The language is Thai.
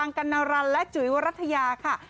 ฬังกาณารันและจุายุระธยาค่ะ